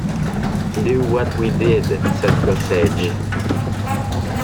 Do what we did, said Gossage.